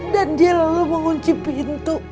dan dia lalu mengunci pintu